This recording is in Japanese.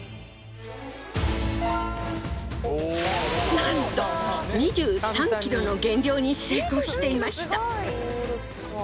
なんと２３ｋｇの減量に成功していました。